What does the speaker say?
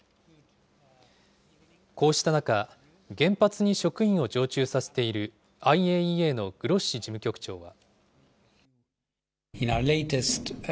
こうした中、原発に職員を常駐させているＩＡＥＡのグロッシ事務局長は。